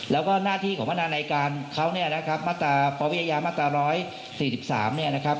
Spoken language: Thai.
แล้วก็หน้าที่ของพนาในการเขาเนี่ยนะครับมาตราปวิทยามาตรา๑๔๓เนี่ยนะครับ